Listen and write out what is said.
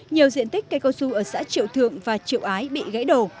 nhiều diện tích cây cao su ở xã triệu thượng và triệu ái bị gãy đổ